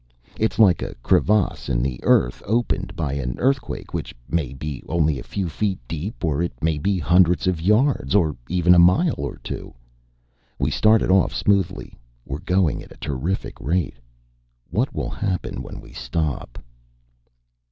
It's like a crevasse in the earth opened by an earthquake which may be only a few feet deep, or it may be hundreds of yards, or even a mile or two. We started off smoothly. We're going at a terrific rate. _What will happen when we stop?